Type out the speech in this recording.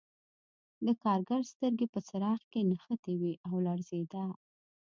د کارګر سترګې په څراغ کې نښتې وې او لړزېده